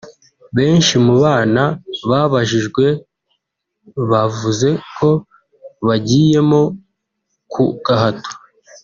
benshi mu bana babajijwe bavuze ko bagiyemo ku gahato